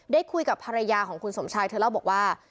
ได้คุยกับภรรยาของคุณสมชายเธอเล่าบอกว่า